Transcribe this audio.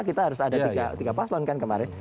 kita harus ada tiga paslon kan kemarin